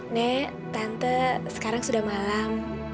nek tante sekarang sudah malam